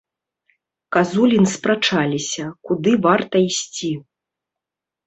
Казулін спрачаліся, куды варта ісці.